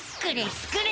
スクれ！